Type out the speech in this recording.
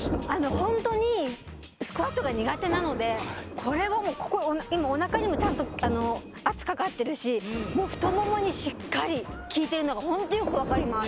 ホントにスクワットが苦手なのでこれはもうここ今おなかにもちゃんと圧かかってるしもう太ももにしっかり効いてるのがホントよく分かります。